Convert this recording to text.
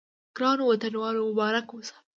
ګرانو وطنوالو مبارک مو شه.